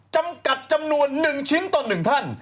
จำกัดจำนวนหนึ่งชิ้นต่อหนึ่งท่าน